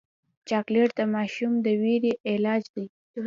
چاکلېټ د ماشوم د ویرې علاج دی.